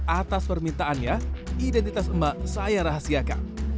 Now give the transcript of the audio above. atas permintaannya identitas emak saya rahasiakan